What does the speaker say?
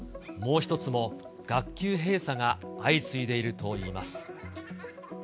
もう１つも学級閉鎖が相次いでいるといいます。